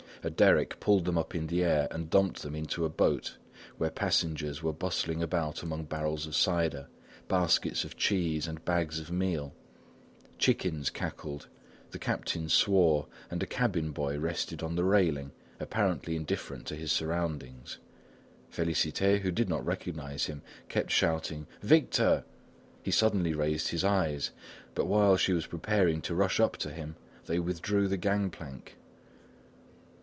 A derrick pulled them up in the air and dumped them into a boat, where passengers were bustling about among barrels of cider, baskets of cheese and bags of meal; chickens cackled, the captain swore and a cabin boy rested on the railing, apparently indifferent to his surroundings. Félicité, who did not recognise him, kept shouting: "Victor!" He suddenly raised his eyes, but while she was preparing to rush up to him, they withdrew the gangplank.